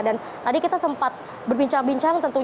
dan tadi kita sempat berbincang bincang